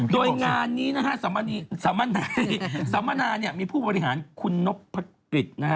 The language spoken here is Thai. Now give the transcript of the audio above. โดยงานนี้นะครับสัมมานามีผู้บริหารคุณนกพระกริจ